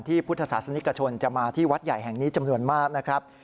พุทธศาสนิกชนจะมาที่วัดใหญ่แห่งนี้จำนวนมากนะครับ